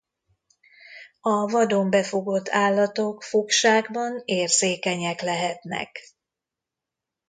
A vadon befogott állatok fogságban érzékenyek lehetnek.